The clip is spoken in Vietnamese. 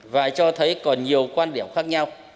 và cho thấy còn nhiều quan điểm khác nhau